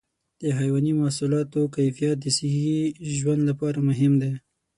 د حيواني محصولاتو کیفیت د صحي ژوند لپاره مهم دی.